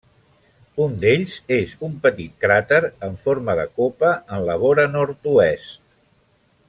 Un d'ells és un petit cràter en forma de copa en la vora nord-oest.